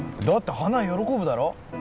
だって花枝喜ぶだろ？